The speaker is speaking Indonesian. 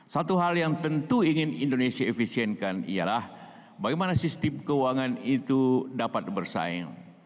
satu hal yang tentu ingin indonesia efisienkan ialah bagaimana sistem keuangan itu dapat bersaing